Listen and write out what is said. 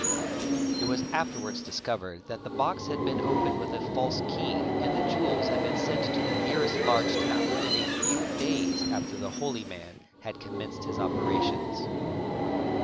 It was afterwards discovered that the box had been opened with a false key and the jewels had been sent to the nearest large town within a few days after the holy man had commenced his operations.